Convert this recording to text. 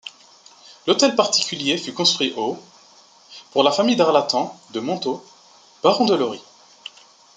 L'Hôtel particulier fut construit au pour la famille d'Arlatan de Montaud, barons de Lauris.